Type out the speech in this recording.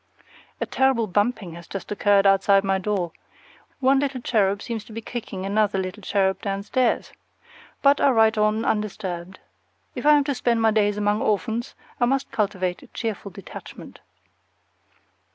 A terrible bumping has just occurred outside my door. One little cherub seems to be kicking another little cherub downstairs. But I write on undisturbed. If I am to spend my days among orphans, I must cultivate a cheerful detachment.